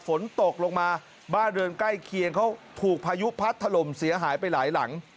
ฝนตกลงมาบ้านเรือนใกล้เคียงเขาถูกพายุพัดถล่มเสียหายไปหลายหลัง